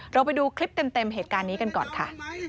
ไปดูคลิปเต็มเหตุการณ์นี้กันก่อนค่ะ